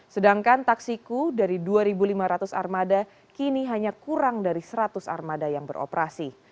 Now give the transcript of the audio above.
sedangkan taksiku dari dua lima ratus armada kini hanya kurang dari seratus armada yang beroperasi